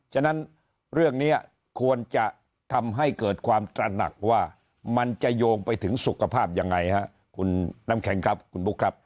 ฉะนั้นเรื่องนี้ควรจะทำให้เกิดความตระหนักว่ามันจะโยงไปถึงสุขภาพยังไงฮะคุณน้ำแข็งครับคุณบุ๊คครับ